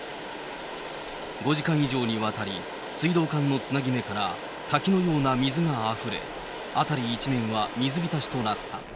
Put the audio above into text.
５時間以上にわたり、水道管のつなぎ目から滝のような水があふれ、辺り一面は水浸しとなった。